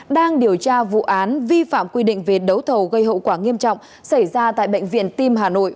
đang điều tra vụ án vi phạm quy định về đấu thầu gây hậu quả nghiêm trọng xảy ra tại bệnh viện tim hà nội